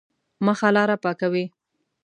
مخه لاره پاکوي.